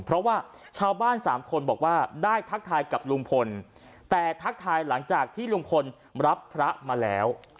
เพราะว่าชาวบ้านสามคนบอกว่าได้ทักทายกับลุงพลแต่ทักทายหลังจากที่ลุงพลรับพระมาแล้ว